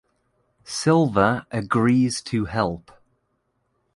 Silver agrees to help.